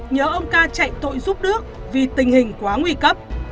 nhớ ông ca chạy tội giúp nước vì tình hình quá nguy cấp